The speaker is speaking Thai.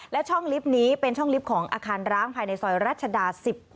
และช่องลิฟต์นี้เป็นช่องลิฟต์ของอาคารร้างภายในซอยรัชดา๑๗